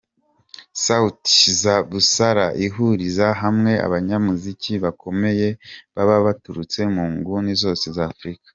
Sauti za Busara ihuriza hamwe abanyamuziki bakomeye baba baturutse mu nguni zose za Afurika.